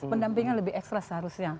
mendampingnya lebih ekstras seharusnya